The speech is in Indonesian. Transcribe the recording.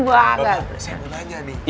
bapak saya mau tanya nih